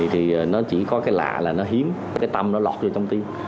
thì nó chỉ có cái lạ là nó hiếm cái tâm nó lọt vô trong tim